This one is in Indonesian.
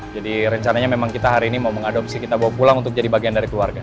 jadi rencananya memang kita hari ini mau mengadopsi kita bawa pulang untuk jadi bagian dari keluarga